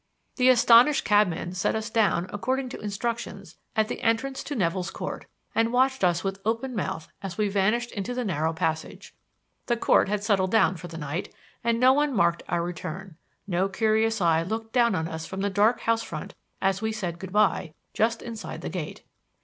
The astonished cabman set us down, according to instructions, at the entrance to Nevill's Court, and watched us with open mouth as we vanished into the narrow passage. The court had settled down for the night, and no one marked our return; no curious eye looked down on us from the dark house front as we said "Good by," just inside the gate.